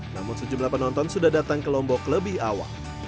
namun sejumlah penonton sudah datang ke lombok lebih awal